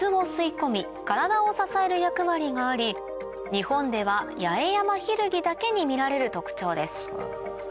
日本ではヤエヤマヒルギだけに見られる特徴です